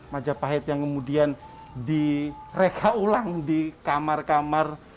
majapahit yang kemudian direka ulang di kamar kamar